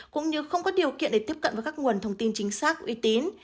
cũng như không có điều kiện để tiếp cận với các nguồn thông tin chính xác uy tín